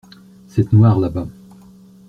Cette noire là-bas.